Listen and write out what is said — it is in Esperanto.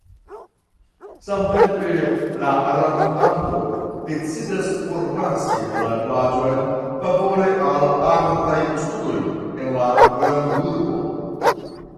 Samtempe la rakontanto decidas forlasi la vilaĝon favore al artaj studoj en la grandurbo.